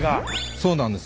そうなんです。